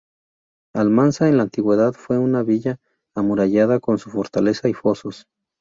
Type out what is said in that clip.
Almanza en la antigüedad fue una villa amurallada con su fortaleza y fosos.